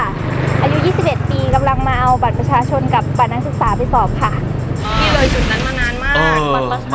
อายุ๒๑ปีกำลังมาเอาบัตรประชาชนกับบทนักศึกษาไปสอบค่ะ